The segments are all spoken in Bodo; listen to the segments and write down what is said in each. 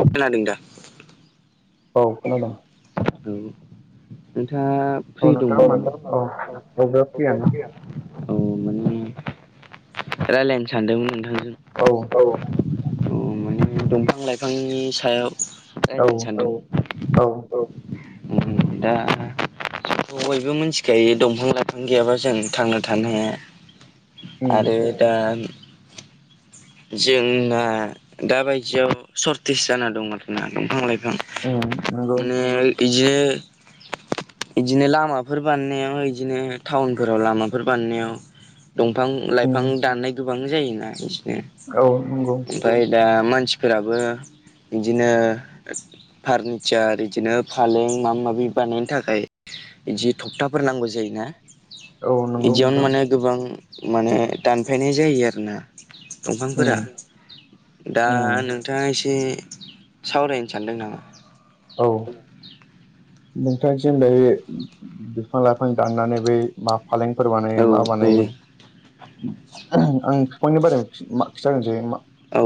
खोनादोंं दा? औ खोनादों। औ नोंथाङा औ फ्रि नोंथां दंमोन नामा? मानो औ बयबो फैयाना। औ माने राय्लायनो सानदोंमोन नोंथांजों। औ। औ औ माने दंफां लाइफांनि सायाव औ रायज्लायनो सानदों औ। औ उम दा जों बयबो मिथिखायो दंफां लाइफां गैयाबा जों थांना थानो हाया। उम आरो दा जोंना दा बायदियाव सर्टेस जाना दं आरोना दंफां लाइफां उम नंगौ माने बिदिनो बिदिनो लामाफोर बानायनायाव बिदिनो टाउनफोराव लामाफोर बानायनायाव दंफां उम लाइफां दाननाय गोबां जायोना बिसोरनो औ नंगौ। ओमफ्राय दा मानसिफोराबो बिदिनो फार्निचार बिदिनो फालें माबा माबि बानायनो थाखाय बिदि थखथाफोर नांगौ जायोना? औ नंगौ बिदियावनो नोंथां माने गोबां माने दानफायनाय जायो आरोना। दंफांफोरा उम दा उम नोंथाङा एसे सावरायनो सानदों नामा? औ। नोंथांसिम दायो बिफां लाइफां दाननानै बै मा फालेंफोर औ बानायो मा बानायो आं फिफांनि बारै खिथागोरनोसै मा औ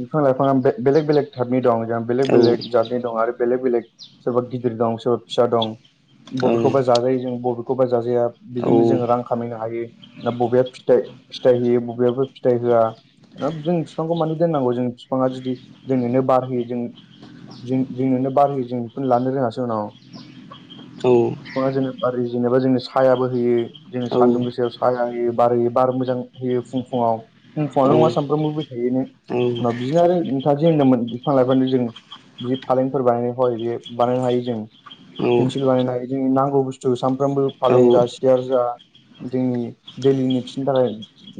बिफां लाइफाङा बेबेलेग बेलेग टपनि दं जोंहा बेलेग औ बेलेग जतनि दं आरो बेलेग बेलेग सोरबा गि गिदिर दं सोर फिसा दं औ बबेखौबा जायो जों बबे खौबा जाजाया औ बिजोंनो जोङो रां खामायनो हायो। दा बबेया फिथाइ फिथाइ होयो बबेयाबो फिथाइ होआ। जों बिफांखौ मानो दोननांगौ जों बिफाङा जुदि जोंनोनो बार होयो जों। जों जोंनोनो बार होयो जों बेखौनो लानो रोङासै उनाव। बिफाङा जोंनो बार होयो जेनेबा जोंनो साहायाबो होयो। जों औ सानदुं गोसायाव साहाया होयो बार होयो बार मोजां होयो फुं फुङाव। फुं फुङावल नङा सानफ्रोमबो होबाय थायोनो [unintelligible] होन्दोंमोन बिफां लाइफां जों। बिदि फालेंफोर बानायनाय हय बेयो बानायनो हायो। जों पेन्सिल बानायनानै जोंनि नांगौ बुस्थु सानफ्रामबो फालें जा सियार जा जोंनि दैलिनि थिनि थाखाय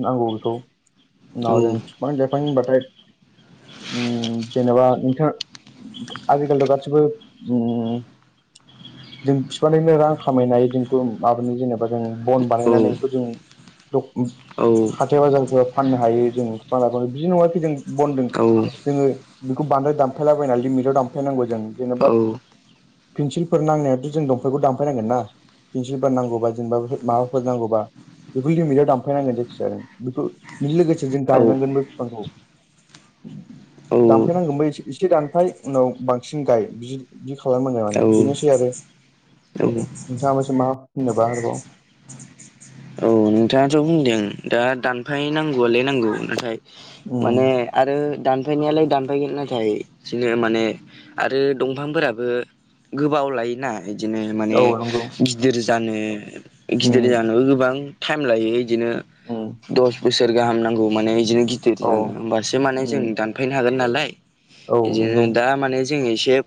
नांगौ बेखौ नाव जों फिफां लाइफांनि होनबाथाय उम जेनेबा नोंथां आजिखालिथ गासिबो उम [inaudible] जों बिफानैनो रां खामायनो हायो जोंखौ माबानि जेनेबा जों बन बानायनानैखौ जों दब उम हाथाय बाजारफोर फाननो हायो जों फानला बिदि नङाखि जों बनदों जोङो बेखौ बांद्राय दामफायलाबायना लिमिटाव दामफायनांगौ जों जेनेबा पिन्सिलफोर नांनायावाथ' जों दंफांखौ दानफायनांगोन ना? पिन्सिलफोर नांगौबा जेनेबा माबाफोर नांगौबा। बेखौ लिमिटआव दानफायनांगोन जायखिजाया नों बेखौ बेनि लोगोसे जों गायनांगोनबो फिफांखौ। [inaudible] दानफायनांगोनबो एसे एसे दानफाय उनाव बांसिन गाय बि बिदि खालामनांगोन। औ बेनोसै आरो औ नोंथाङाबोसो मा होननोबा हारबाव औ नोंथाङाथ' बुंदों दा दानफाय नांगौआलाय नांगौ नाथाय। उम माने आरो दान दामफायनायालाय दानफायगोन नाथाय बिदिनो माने आरो दंफांफोराबो। गोबाव लायोना बिदिनो माने औ नंगौ गिदिर जानो गिदिर उम जानोबो गोबां टाइम लायो बिदिनो उम दस बोसोर गाहाम नांगौ माने बिदिनो गिदिर औ जानो होमबासो माने जों उम दान फायनो हागोन नालाय औ बिदिनो नंगौ दा माने जोङो एसे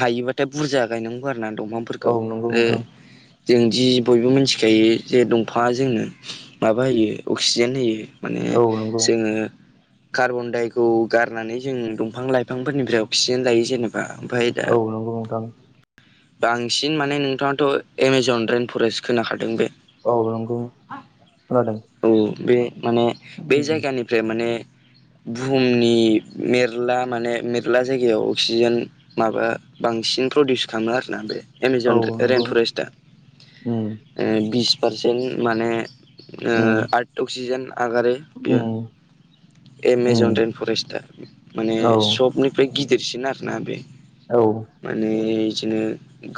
हायोबाथाय बुरजा गायनांगौ आरोना दंफांफोरखौ औ नंगौ आरो नोंथां जोंदि बयबो मिथिखायो जे दंफाङा जोंनो माबा होयो अक्सिजेन होयो माने औ नंगौ जोङो कार्बनदाइखौ गारनानै जों दंफां लाइफांफोरनिफ्राय अक्सिजेन लायो जेनेबा आं ओमफाय दा औ नंगौ नोंथां बांसिन माने नोंथाङाथ' एमेजन रेेन फरेस्ट खोनाखादों बे औ नंगौ खोनादों। औ बे माने बे उम जायगानिफ्राय माने बुहुमनि मेरला माने मेरला जायगायाव अक्सिजेन माबा बांसिन प्रडिउस खाङो आरोना बे औ एमेजन नंगौ रेमफरेस्टआ उम ओ बिस पारसेन्ट माने ओ उम आरट अक्सिजेन आगारो बियो उम एमेजन उम रइेन फरेस्टआ माने औ सबनिफ्राय गिदिरसिन आरोना बे औ माने बिदिनो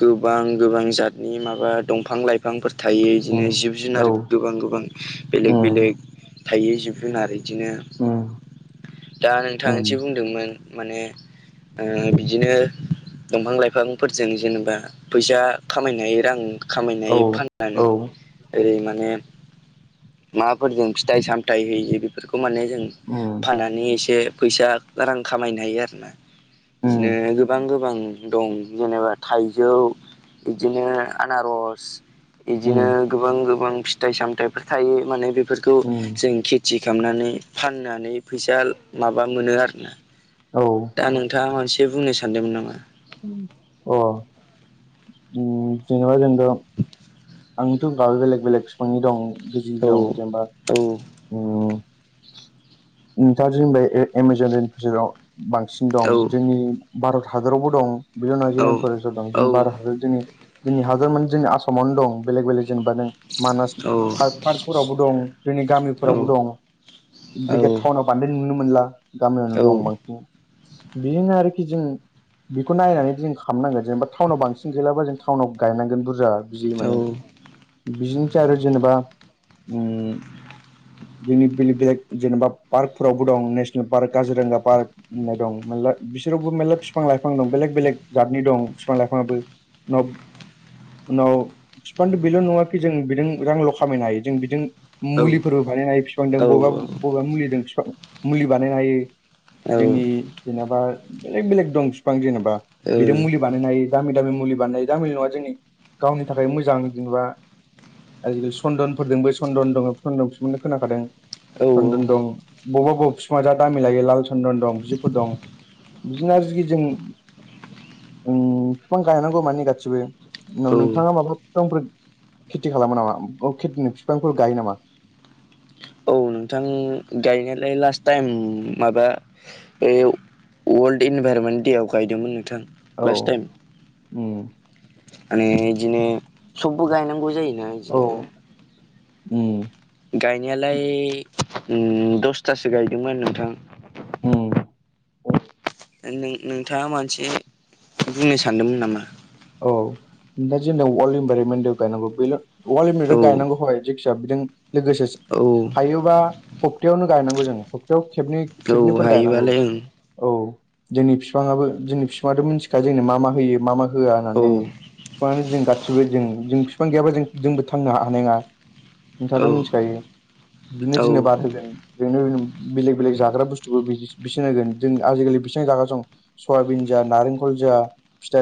गोबां गोबां जतनि माबा दंफां लाइ बिफांफोर थायो बिदिनो उम जिब औ जुनार गोबां गोबां। बेलेग उम बेलेग थायो जिब जुनार बिदिनो उम दा नोंथां उम एसे बुंदोंमोन माने ओ बिदिनो दंफां लाइफांफोरजों जेनेबा फैसा खामायनाय रां। औ खामायनाय फाननानै औ ओरै माने। माबाफोरजों फिथाइ सामथाइ होयो बेफोरखौ माने जों उम फाननानै एसे फैसा रां खामायनो हायो आरोना बिदिनो उम गोबां गोबां दं जेनेबा थाइजौ बिदिनो आनारस बिदिनो उम गोबां गोबां फिथाइ सामथाइफोर थायो माने बेफोरखौ उम जोंनिखि खुरथि खालामनानै फाननानै फैसा माबा मोनो आरोना औ दा नोंथाङा मोनसे बुंनो सानदोंमोन नामा? अ ओ जेनेबा जेनेबा आंथ' गाहाय बेलेग बेलेग बिफांनि दं गजि औ दं जेनेबा औ ओम नोंथांजे होनबाय एमाजन फोसेराव बांसिन दं औ जोंनि भारत हादरावबो दं। औ बेनागिरिरफोर दं ज भारत हादर दि जों हर मान जों आसामावनो दं बेलेग बेलेग जेनेबा नों मानास औ पार्क पार्कफोरावबो दं जोंनि औ गामिफोरावबो दं औ जायखि टाउनाव बांदाय नुनो मोनला गामियावनो औ दंमोन बेजोंनो आरोखि जों। बेखौ नायनानै जों खालामनांगोन जेनेबा टाउनाव बांसिन गैलाब जों टाउनाव गायनांगोन बुरजा बिदि औ माने। बिदिनोसै आरो जेनेबा ओम जोंनि बेलेग बेलेग जेनेबा पार्कफोरावबो दं नेसनेल पार्क काजिरङगा पार्क। होननाय दं मेरला बिसोरावबो मेल्ला बिफां लाइफां दं बेलेग बेलेग जातनि दं बिफां लाइफाङाबो। उनाव उनाव। बिफांथ' बेल' नङाखि जों बिजों रांल' खामायनो हायो जों बिजों मुलिफोरबो बानायनो हायो बिफांजों बबेबा बबेबा मुलिदों मुलि बानायनो हायो। जोंनि जेनेबा बेलेग बेलेग दं बिफां जेनेबा बेर मुलि। बानायनो हायो दामि दामि मुलि बानायनो दामिनि नङा जोंनि गावनि थाखाय मोजां मोजां जेनेबा आजिखालि सन्दनफोरदों ब सन्दन दङ सन्दन बिनो खोनाखादों। औ चन दं बबावबा बबावबा बिफाङा जा दामि लायो लाल चन्दन दं बिफोर दं बिदिनो आरोखि जों ओ फिफां गायनांगौ माने गासिबो औ नोंथाङा माबा बिफांफोर खेथि खालामो नामाे ओ खेथि बिफांफोर गायो नामा? औ नोंथां गायनायालाय लास्ट टाइम माबा बे वर्ल्ड इनभाइरमेन्ट दे आव गायदोंमोन नोंथां औ लास्ट टाइम उम माने इदिनो सबबो गायनांगौ जायोना। औ इदिनो ओम गायनायालाय ओम दसथासो गायदोंमोन नोंथां। उम नों नोंथाङा मानसे बुंनो सानदोंमोन नामा। औ ओमफाय वर्ल्ड इनभारमेन्टव गायनागौ बे वल्ड औ गायनांगौ हय फिसाबजों लोगोसे औ हायोबा सप्तायावनो गायनांगौ जों सप्तायाव खेबनै औ खेबनैफोर गायनांगौ। हायोबालाय औ जोंनि बिफाङाबो जोंनि बिफाङाथ' मिथिखायो जोंनो मा मा होयो मा मा होआ होननानै ओं फिफांआनो जों गासिबो जों जों बिफां गैयाबा जों जोंबो थांनो हानाय नङा नोंथाङाथ' औ मिथिखायो बिदिनो औ जोंनो बार होगोन। जोंनो बेलेग बेलेग जाग्रा बुस्थुखौ बि-बिसिनो होगोन जों आजिखालि बेसिबां जाग्रा सम सयाबिन जा नारेंखल जा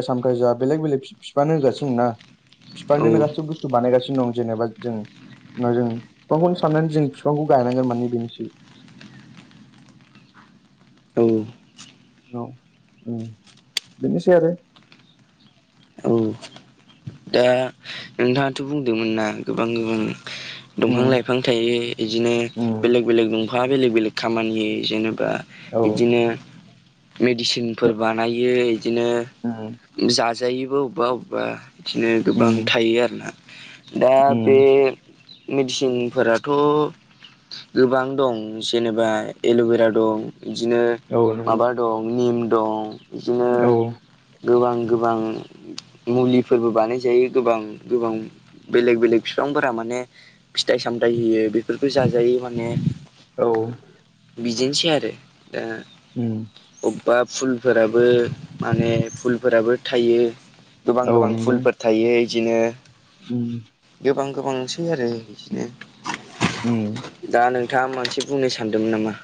सामफ्राइ जा बेलेग बेलेग फि-फिफाङानो होगासिनो दंना औ बिफाङानो गासिबो बुस थु बानायगासिनो दं जेनेबा जों जों बिफांखौनो साननानै जों बिफांखौ गायनांगोन माने बेनोसै औ औ ओम बेनोसै आरो औ दा नोंथाङाथ' बुंदोंमोन ना गोबां ओम दंफां उम लाइफां थायो इदिनो उम बेलेक बेलेक दं फाङा बेलेग बेलेग खामानि जेनेबा औ इदिनो मेडिसिनफोर बानायो इदिनो ओम जाजायोबो अबेबा अबेबा बिदिनो गोबां उम थायो आरोना दा बे उम मेडिसिनफोराथ' गोबां दं जेनेबा एल'भेरा दं इदिनो औ नंगौ माबा दं निम दं इदिनो औ गोबां गोबां मुलि फोरबो बानायजायो गोबां गोबां बेलेग बेलेग बिफांफोरा माने फिथाइ सामथायाइ होयो बेफोरखौ जाजायो माने औ बिदिनोसै आरो दा ओम अबेबा फुलफोराबो माने फुलफोराबो थायो गोबां औ गोबां नंगौ फुलफोर थायो इदिनो उम गोबां गोबांसै आरो बिदिनो उम दा नों खोथा मानसे बुंनो सानदोंमोन नामा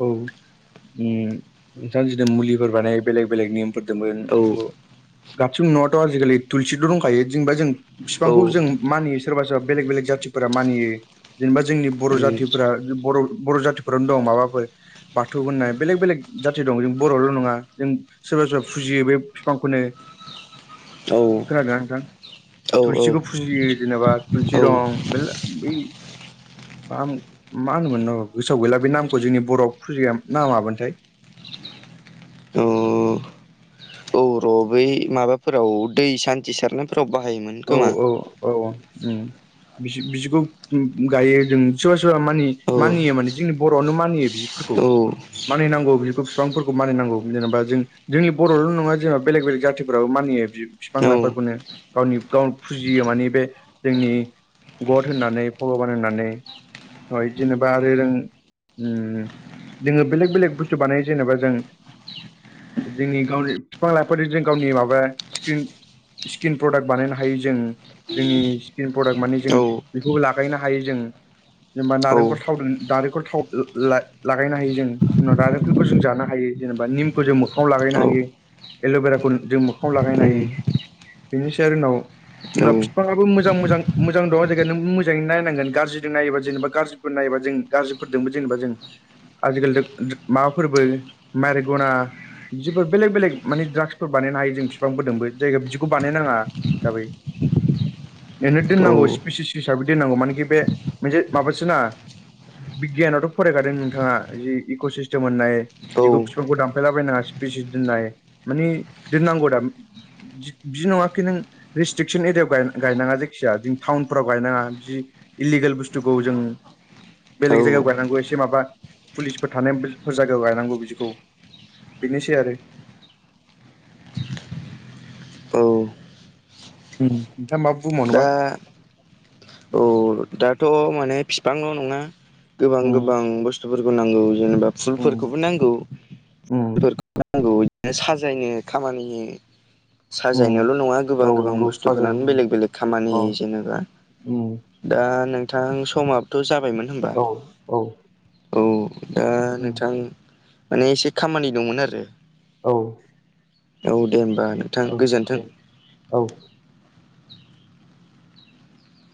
औ ओम नोंथांआ जुदि मुलिफोर बानायो बेलेग बेलेग निम फोरदोबो औ मु गाबसिबो न'आथ' आजिखालि थुलसिथ' दंखायो जेनबा जों औ फिफांखौ जों मानियो सोरबा सोरबा बेलेग बेलेग जाथिफोरा मानियो जेनेबा जोंनि बर' जाथिफोरा बर बर' जाथिफोरानो दं माबा फोर बाथौ होननाय बेलेग बेलेग जाथि दं जों बर'ल' नङा जों सोरबा सोरबा फुजियो बे बिफांखौनो औ खोनादोंना नोंथां? औ थुलसिखौ फुजियो जेनेबा थुलसि दं बेलेग बै नाम मा होनोमोन गोसोआव गैला बे नाम जोंनि बर'आबो फुजियो ना मामोनथाय औ औ र' बै माबाफोराव दै सान्थि सारनायफोराव बाहायोमोन। औ खोमा औ औ ओम बिदि-बिदिखौ गायो जों। सोरबा -सोरबा मानि- औ मानियो, माने जोंनि बर'आवनो मानियो [unintelligible] औ मानिनांगौ बिखौ बिफांफोरखौ मानिनांगौ जेनेबा जों जोंनि बर'ल' नङा जेनबा बेलेग बेलेग जातिफ्राबो मानियो बि बिफां औ लाइफांखौनो गावनि गाव फुजियो माने बे जोंनि गद होननानै भगबान होननानै [unintelligible] जेनेबा आरो रों ओम जोङो बेलेग बेलेग बुस्थु बानायो जेनेबा जों जोंनि गावनि बिफां -लाइफां जों गावनि माबा स्किन-स्किन प्रडाक्ट बानायनो हायो जों। जोंनि स्किन प्रडाक्ट माने जों औ बेखौबो लागायनो हायो जों। जेनेबा औ नारेंखल थाव नारेंखल थाव ला-लागायनो हायो जों। नारेंखलखौ जों जानो हायो। जेनेबा निमखौ जों मोखाङाव लागायनो हायो। एल'बेराखौ जों मोखाङाव लागायनो हायो। [unintelligible] होनबा बिफाङाब मोजां -मोजां मोजां दं जाय नों मोजै नायनांगोन गाज्रिजों नायोबा जेबा गाज्रि नायोबा जों गाज्रिफोरदोंबो जेनेबा जों आजिखालि [unintelligible] माबाफोरबो माइेर गना बिदिफोर बेलेग -बेलेग माने द्राग्सफोर बानायनो हायो जों बिफांफोरदोंबो जायगायाव बिदिखौ बानायनाङा [unintelligible] बेनो दोननांगौ स्पेसिस हिसाबै दोननांगौ मानोखि बे मोनसे माबासोना बिगियानावथ' फरायखादों नोंथाङा जि इक' सिस्टेम होननाय औ बिखौ बिफांखौ दानफायलाबायनाङा स्पिसिस दोननाय माने दोननांगौ दा बिदि नङाखि नों रेस्ट्रिकसन एरियाायाव गाय-गायनाङा जायखिजाया टाउनफोराव गायनाङा बिदि इलिगेल बुस्थुखौ जों औ बेलेग जायगायाव गायनांगौ एसे माबा पुलिसफोर थानायफोर जायगायाव गायनांगौ बिदिखौ‌। बिनोसै आरो। औ नोंथाङा माबा दा बुंबावनोबा? औ दाथ' माने बिफांल' नङा गोबां उम -गोबां बुस्थु बुस्थुफोरखौ नांगौ जेनेबा उम फुलफोरखौबो नांगौ। [unintelligible] उम बिदिनो साजायनो खामानि उम साजायनायल' नङा। गोबां औ -गोबां नंगौ साजाय बुस्थुफोरानो बेलेग -बेलेग खामानि औ होयो जेनेबा। औ। दा नोंथां समाबथ' जाबायमोन होनबा औ औ औ। दा उम नोंथां माने एसे खामानि दंमोन आरो। औ। औ दे होमबा। नोंथां औ गोजोन्थों दे औ।